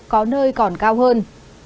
có nơi còn cao hơn